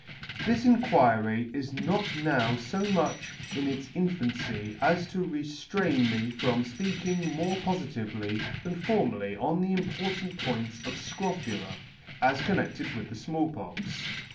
This Inquiry is not now fo much in its infancy as to reflrain me from fpeaking more pofitively than formerly on the import ant point of Scrophula, as connected with the Small Pox.